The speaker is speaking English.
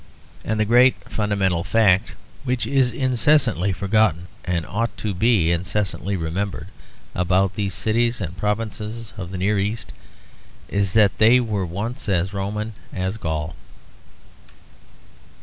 And the great fundamental fact which is incessantly forgotten and ought to be incessantly remembered, about these cities and provinces of the near East, is that they were once as Roman as Gaul.